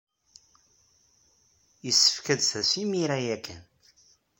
Yessefk ad d-tas imir-a ya kan!